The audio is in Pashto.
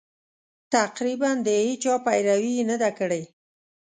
تقریباً د هېچا پیروي یې نه ده کړې.